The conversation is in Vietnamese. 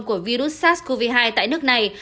của virus sars cov hai tại nước này